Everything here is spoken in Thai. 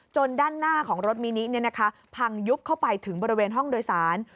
ด้านหน้าของรถมินิพังยุบเข้าไปถึงบริเวณห้องโดยสาร